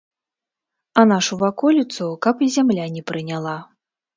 А нашу ваколіцу каб і зямля не прыняла.